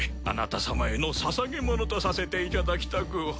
あなた様へのささげものとさせていただきたく。